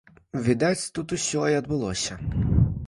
Відаць тут усё і адбылося.